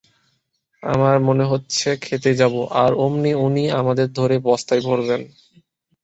আমার মনে হচ্ছে খেতে যাব, আর ওমনি উনি আমাদের ধরে বস্তায় ভরবেন।